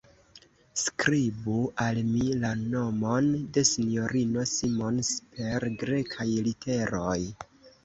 Skribu al mi la nomon de S-ino Simons per Grekaj literoj!